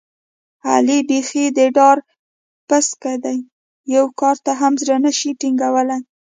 علي بیخي د ډار پسکه دی، یوه کار ته هم زړه نشي ټینګولی.